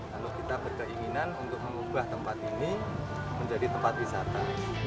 kalau kita berkeinginan untuk mengubah tempat ini menjadi tempat wisata